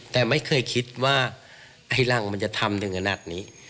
แต่ไม่เคยคิดว่าไอ้รังมันจะทำถึงขนาดนี้